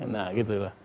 nah gitu lah